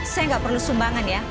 saya nggak perlu sumbangan ya